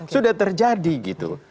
sudah terjadi gitu